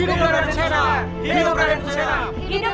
raden bujana datang